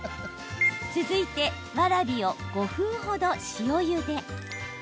続いて、わらびを５分ほど塩ゆで。